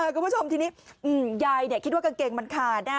คุณผู้ชมทีนี้ยายคิดว่ากางเกงมันขาด